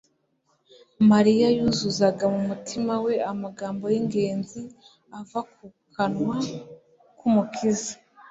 Mariya yuzuzaga mu mutima we amagambo y'ingenzi ava mu kanwa k'Umukiza,